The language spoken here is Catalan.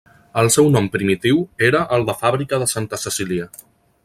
El seu nom primitiu era el de fàbrica de Santa Cecília.